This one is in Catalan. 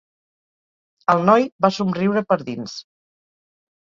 El noi va somriure per dins.